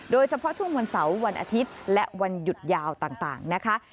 โดยเฉพาะช่วงวันเสาร์วันอาทิตย์และวันหยุดยาวต่างนะคะ